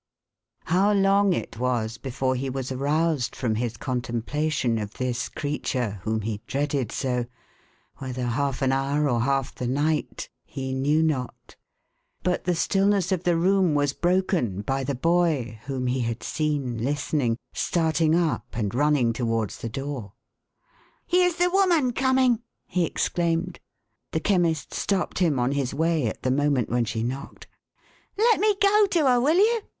How long it was before he was aroused from his con templation of this creature, whom he dreaded so — whether half an hour, or half the night — he knew not. But the stillness of the room was broken by the boy (whom he had seen listening) starting up, and running towards the door. " Here's the woman coming !" he exclaimed. The Chemist stopped him on his way, at the moment when she knocked. " Let me go to her, will you